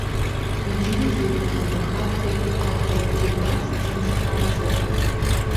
Иджыри зы унагъуэ хабзэу къэгъуэгурыкӏуащ «цымыщӏ» хабзэр.